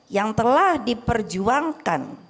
yang telah diperjuangkan